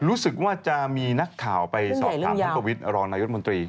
รู้สึกว่าจะมีนักข่าวไปสอบถามท่านประวิทย์รองนายรัฐมนตรี